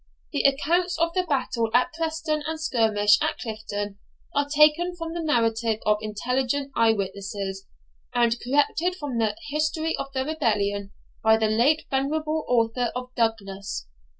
The accounts of the battle of Preston and skirmish at Clifton are taken from the narrative of intelligent eye witnesses, and corrected from the 'History of the Rebellion' by the late venerable author of 'Douglas.'